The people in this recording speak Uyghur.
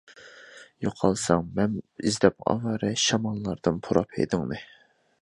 يوقالساڭ مەن ئىزدەپ ئاۋارە، شاماللاردىن پۇراپ ھىدىڭنى.